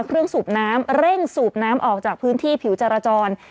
สูบน้ำเร่งสูบน้ำออกจากพื้นที่ผิวจรจร